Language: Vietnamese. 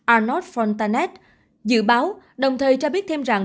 arnaud fontanet dự báo đồng thời cho biết thêm rằng